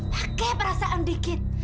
pakai perasaan dikit